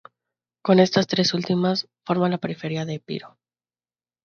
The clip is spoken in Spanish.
Con estas tres últimas forma la periferia de Epiro.